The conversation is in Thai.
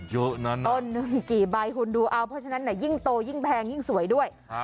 เยอะนะต้นหนึ่งกี่ใบคุณดูเอาเพราะฉะนั้นยิ่งโตยิ่งแพงยิ่งสวยด้วย